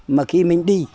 mà khi mình đi